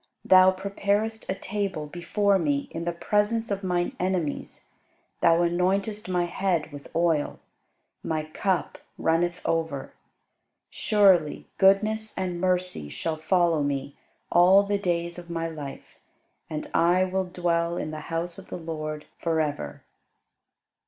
Thou preparest a table before me in the presence of mine enemies: Thou anointest my head with oil; my cup runneth over. Surely goodness and mercy shall follow me all the days of my life: And I will dwell in the house of the LORD for ever.